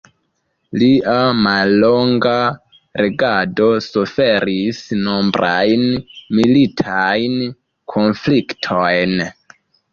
Lia mallonga regado suferis nombrajn militajn konfliktojn.